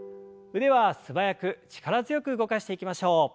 腕は素早く力強く動かしていきましょう。